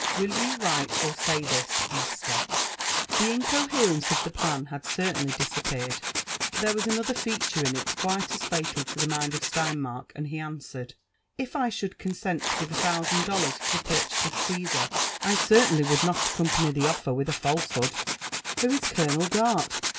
'—^Will you write or say this^ master V The incoherence of the plan had eettainly disappeared ; but there was another feature in it quite as fatal to the mind of Sleinmark, and he answered) *' If I should consent to gite a thousand dollars for' the purchase of Caesar, I certainly would not accompany the t>([^t with k falsehood.— Whois Colonel Dart?